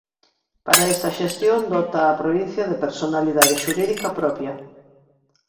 Para esta xestión dota á provincia de personalidade xurídica propia.